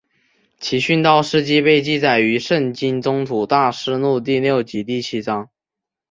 其殉道事迹被记载于圣经宗徒大事录第六及第七章。